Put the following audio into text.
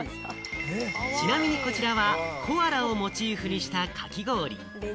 ちなみにこちらはコアラをモチーフにしたかき氷。